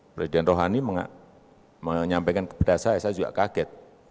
presiden rohani menyampaikan kepada saya saya juga kaget